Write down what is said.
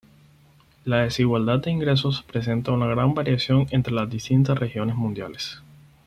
La desigualdad de ingresos presenta una gran variación entre las distintas regiones mundiales.